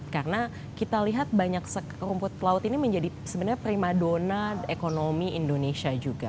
karena kita lihat banyak rumput laut ini menjadi sebenarnya prima dona ekonomi indonesia juga